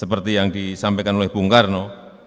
seperti yang disampaikan oleh bung karno